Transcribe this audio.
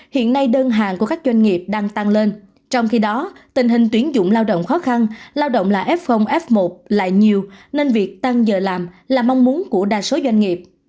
hiện nay đơn hàng của các doanh nghiệp đang tăng lên trong khi đó tình hình tuyến dụng lao động khó khăn lao động là f f một lại nhiều nên việc tăng giờ làm là mong muốn của đa số doanh nghiệp